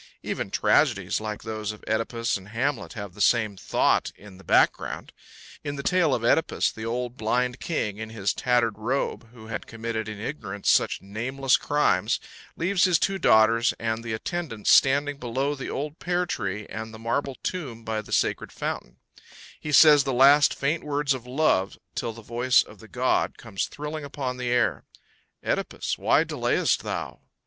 Even tragedies like those of OEdipus and Hamlet have the same thought in the background. In the tale of OEdipus, the old blind king in his tattered robe, who had committed in ignorance such nameless crimes, leaves his two daughters and the attendants standing below the old pear tree and the marble tomb by the sacred fountain; he says the last faint words of love, till the voice of the god comes thrilling upon the air: "OEdipus, why delayest thou?"